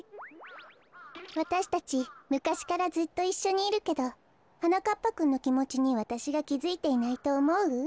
わたしたちむかしからずっといっしょにいるけどはなかっぱくんのきもちにわたしがきづいていないとおもう？